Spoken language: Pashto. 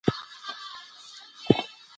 ډاکټره هیله لري.